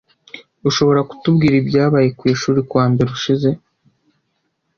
Ushobora kutubwira ibyabaye kwishuri kuwa mbere ushize?